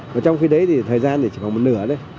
và trong khi đấy thì thời gian chỉ còn một nửa đấy